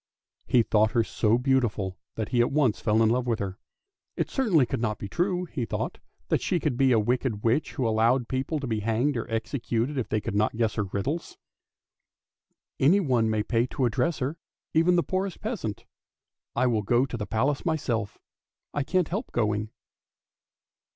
He thought her so beautiful that he at once fell in love with her. It certainly could not be true, he thought, that she could be a wicked witch who allowed people to be hanged or executed if they could not guess her riddles. " Anyone may pay his addresses to her, even the poorest peasant: I will go to the Palace myself! I can't help going!